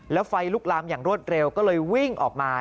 แล้วไฟลุกลามอย่างรวดเร็วก็เลยวิ่งออกมา